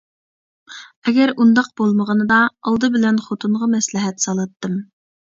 ئەگەر ئۇنداق بولمىغىنىدا ئالدى بىلەن خوتۇنغا مەسلىھەت سالاتتىم.